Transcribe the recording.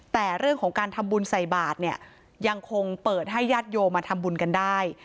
แต่เรื่องของการทำบุญใส่บาทเนี่ยยังคงเปิดให้ญาติโยมมาทำบุญกันได้